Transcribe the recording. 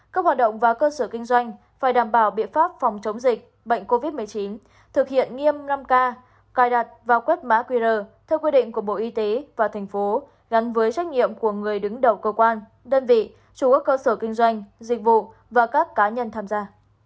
các hoạt động và cơ sở kinh doanh phải đảm bảo biện pháp phòng chống dịch bệnh covid một mươi chín thực hiện nghiêm năm k cài đặt vào quét mã qr theo quy định của bộ y tế và thành phố gắn với trách nhiệm của người đứng đầu cơ quan đơn vị chủ các cơ sở kinh doanh dịch vụ và các cá nhân tham gia